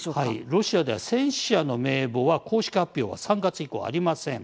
ロシアでは戦死者の名簿は公式発表は３月以降ありません。